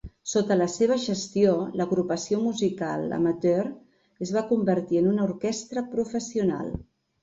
Sota la seva gestió, l'agrupació musical amateur es va convertir en una orquestra professional.